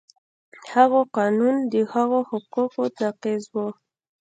هغوی قانون د هغو حقوقو نقض و.